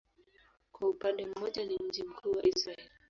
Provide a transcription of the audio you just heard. Kwa upande mmoja ni mji mkuu wa Israel.